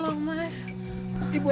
jadi ibu bisa beristirahat di sana